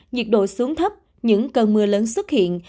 nhiệt độ xuống thấp những cơn mưa lớn xuất hiện